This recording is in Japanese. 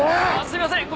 すいません。